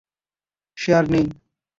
সে আর নেই।